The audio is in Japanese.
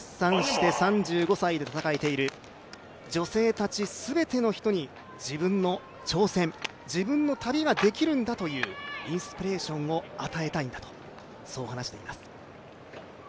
出産して３５歳で戦えている、女性たち全ての人に自分の挑戦、自分の旅ができるんだというインスピレーションを与えたいんだと話しています。